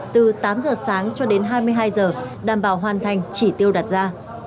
từ tám giờ sáng cho đến hai mươi hai giờ đảm bảo hoàn thành chỉ tiêu đặt ra